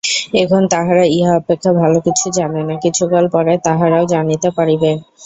এখন তাহারা ইহা অপেক্ষা ভাল কিছু জানে না, কিছুকাল পরে তাহারাও জানিতে পারিবে।